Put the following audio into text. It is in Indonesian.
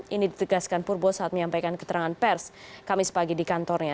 ini ditegaskan purbo saat menyampaikan keterangan pers kamis pagi di kantornya